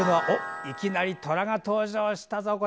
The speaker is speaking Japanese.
お、いきなりトラが登場したぞ。